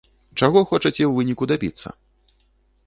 Чаго хочаце ў выніку дабіцца?